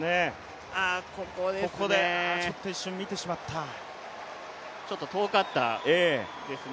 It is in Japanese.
ここですね、ちょっと遠かったですね。